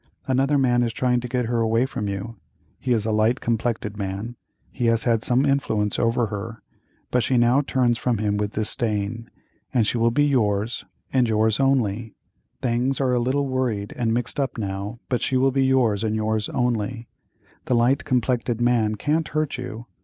Another man is trying to get her away from you, he is a light complected man, he has had some influence over her, but she now turns from him with disdain, and she will be yours and yours only—things are a little worried and mixed up now, but she will be yours and yours only, the light complected man can't hurt you.